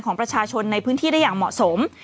ของประชาชนในพื้นที่ได้อย่างเหมาะสม